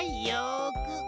よく。